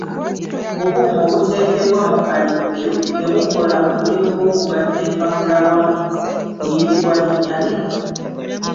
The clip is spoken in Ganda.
Obuuma obuteekebwa mu kalippyo ne bukola omulimu gw’okugatta empapula awamu buyitibwa linnya lino?